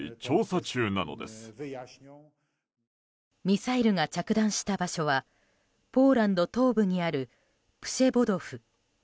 ミサイルが着弾した場所はポーランド東部にあるプシェボドフ。